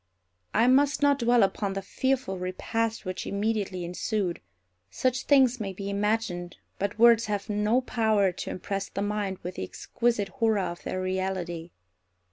I must not dwell upon the fearful repast which immediately ensued. Such things may be imagined, but words have no power to impress the mind with the exquisite horror of their reality.